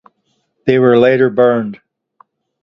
They were later burned.